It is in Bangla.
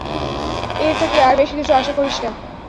এর থেকে আর বেশি কিছু আশা করিস না।